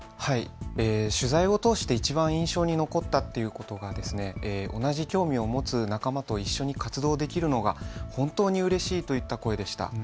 取材を通していちばん印象に残ったということが同じ興味を持つ仲間と一緒に活動できるのが本当に嬉しいといった声でした。